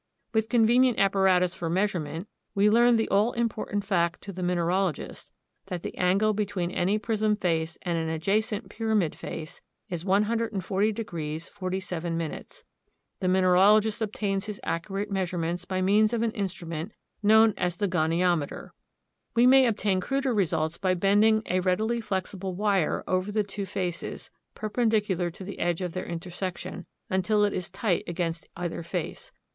With convenient apparatus for measurement, we learn the all important fact to the mineralogist, that the angle between any prism face and an adjacent pyramid face is 141° 47´. The mineralogist obtains his accurate measurements by means of an instrument known as the goniometer. We may obtain cruder results by bending a readily flexible wire over the two faces, perpendicular to the edge of their intersection, until it is tight against either face.